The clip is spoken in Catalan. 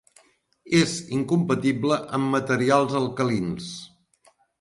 És incompatible amb materials alcalins.